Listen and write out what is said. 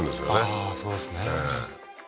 ああーそうですね